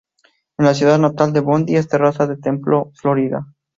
La ciudad natal de Bondi es Terraza de Templo, Florida.